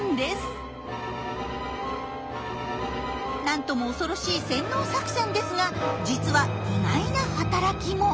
なんとも恐ろしい洗脳作戦ですが実は意外な働きも。